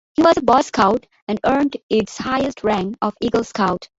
He was a Boy Scout and earned its highest rank of Eagle Scout.